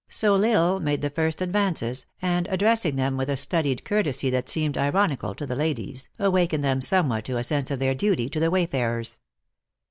So L Isle made the first ad vances, and, addressing them with a studied courtesy that seemed ironical to the ladies, awakened them somewhat to a sense of their duty to the wayfarers.